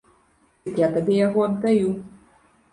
Дык я табе яго аддаю.